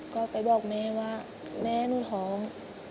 ก็ไปบอกแม่ว่าแม่หนูท้อง